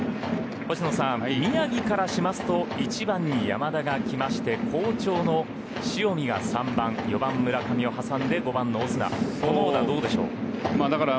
星野さん、宮城からしますと１番に山田がきまして好調の塩見が３番４番、村上を挟んで５番のオスナこのオーダーどうでしょう。